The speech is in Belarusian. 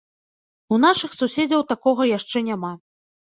У нашых суседзяў такога яшчэ няма.